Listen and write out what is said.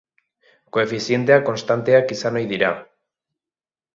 Koefizienteak konstanteak izan ohi dira.